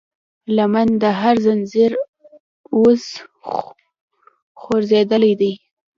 لمن د هر زنځير اوس خورېدلی دی